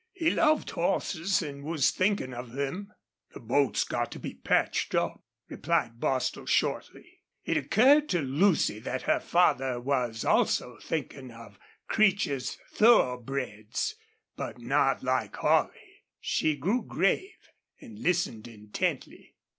He loved horses and was thinking of them. "The boat's got to be patched up," replied Bostil, shortly. It occurred to Lucy that her father was also thinking of Creech's thoroughbreds, but not like Holley. She grew grave and listened intently.